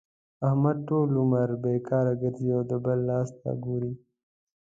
احمد ټول عمر بېکاره ګرځي او د بل لاس ته ګوري.